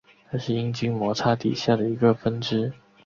它是阴茎摩擦底下的一个分支。